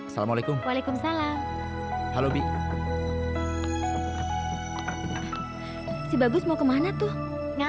sampai jumpa di video selanjutnya